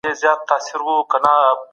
آيا د هغه نظريې نن هم د تطبيق وړ دي؟